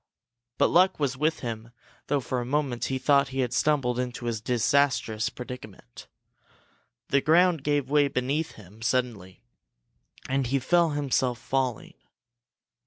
But luck was with him though for a moment he thought he had stumbled into a disastrous predicament. The ground gave way beneath him suddenly and he felt himself falling.